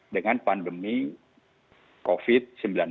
dengan pandemi covid sembilan belas